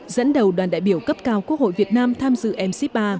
dẫn đầu đoàn đại biểu cấp cao quốc hội việt nam tham dự mc ba